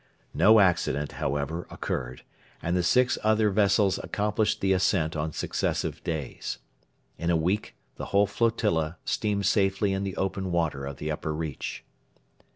No accident, however, occurred, and the six other vessels accomplished the ascent on successive days. In a week the whole flotilla steamed safely in the open water of the upper reach.